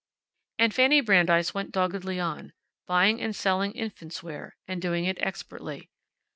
And Fanny Brandeis went doggedly on, buying and selling infants' wear, and doing it expertly.